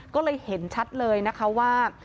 ก็เลยเห็นชัดเลยนะคะว่า